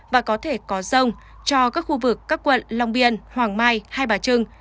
và có thể có rông cho các khu vực các quận long biên hoàng mai hai bà trưng